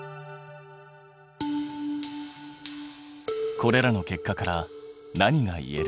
これらの結果から何が言える？